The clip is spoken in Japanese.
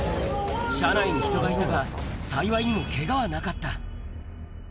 車内に人がいたが、幸いにもけがはなかった。